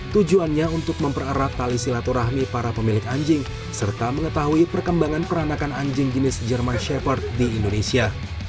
tujuannya untuk mempererat tali silaturahmi para pemilik anjing serta mengetahui perkembangan peranakan anjing jenis german shepherd di indonesia